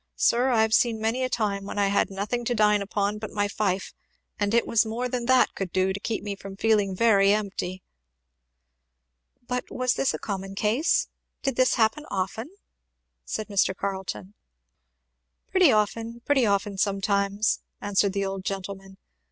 Sir, I have seen many a time when I had nothing to dine upon but my fife, and it was more than that could do to keep me from feeling very empty!" "But was this a common case? did this happen often?" said Mr. Carleton. "Pretty often pretty often, sometimes," answered the old gentleman.